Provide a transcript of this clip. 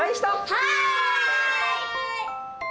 はい！